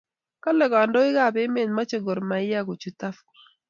Kale Kandoik ab emet mache Gor mahia kochut Afco